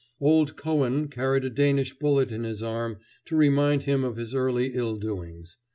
Old Cohen carried a Danish bullet in his arm to remind him of his early ill doings.